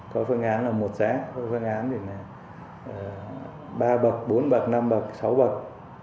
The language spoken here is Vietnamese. có phương án là một giá có phương án thì là ba bậc bốn bậc năm bậc sáu bậc